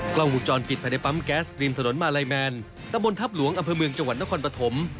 กล้องวงจรปิดภายในปั๊มแก๊สริมถนนมาลัยแมนตะบนทัพหลวงอำเภอเมืองจังหวัดนครปฐม